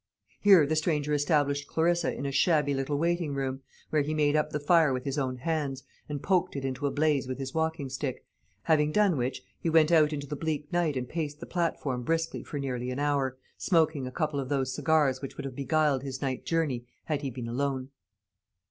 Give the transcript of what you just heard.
Here the stranger established Clarissa in a shabby little waiting room, where he made up the fire with his own hands, and poked it into a blaze with his walking stick; having done which, he went out into the bleak night and paced the platform briskly for nearly an hour, smoking a couple of those cigars which would have beguiled his night journey, had he been alone.